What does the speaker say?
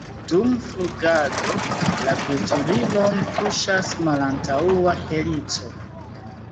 Dum flugado, la veturilon puŝas malantaŭa helico.